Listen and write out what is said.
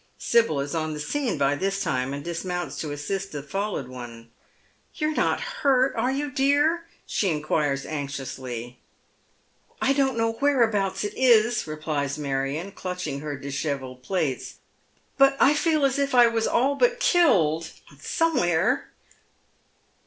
Sibyl is on the scene by this time, and dismounts to assist the fallen one. " You're not hurt, are you, dear ?" she inquires, anxiously. " I don't know whereabouts it is," replies Marion, clutching her dishcTelled plaits, " but I feel as if I was all but killed — somewhere."